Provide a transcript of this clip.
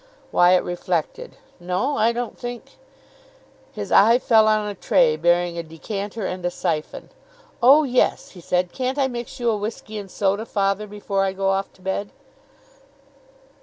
Wyatt reflected. "No, I don't think " His eye fell on a tray bearing a decanter and a syphon. "Oh, yes," he said. "Can't I mix you a whisky and soda, father, before I go off to bed?"